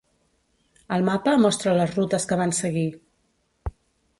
El mapa mostra les rutes que van seguir.